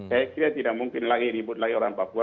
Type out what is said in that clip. saya kira tidak mungkin lagi ribut lagi orang papua